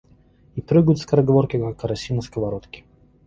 И прыгают скороговорки, как караси на сковородке.